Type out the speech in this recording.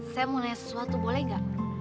saya mau nanya sesuatu boleh gak